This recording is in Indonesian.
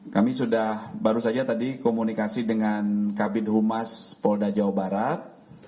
kami sudah baru saja tadi komunikasi dengan kabit humas polda jawa barat